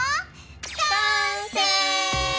完成！